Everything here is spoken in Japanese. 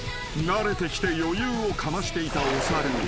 ［慣れてきて余裕をかましていたお猿］